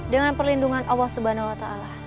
dengan perlindungan allah swt